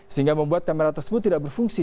sehingga membuat kamera tersebut tidak berfungsi